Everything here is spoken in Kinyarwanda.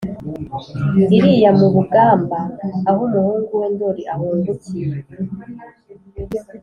iriya mu bugamba aho umuhungu we ndori ahungukiye,